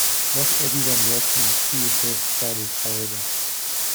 Not everyone welcomed the PsF standard, however.